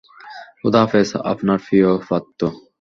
খোদা হাফেজ, আপনার প্রিয় ফাত্তু।